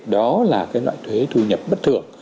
đó là cái loại thuế thu nhập bất thường